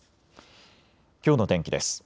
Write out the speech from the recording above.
きょうの天気です。